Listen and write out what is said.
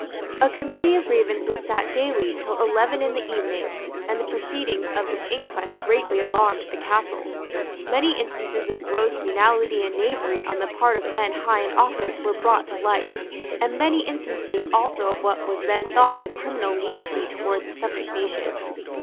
A Committee of Grievances sate daily till eleven in the evening; and the proceedings of this inquest greatly alarmed the Castle. Many instances of gross venality and knavery on the part of men high in office were brought to light, and many instances also of what was then thought a criminal lenity towards the subject nation.